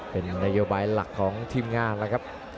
เป็นนโยบายหลักของทีมงานแล้วครับ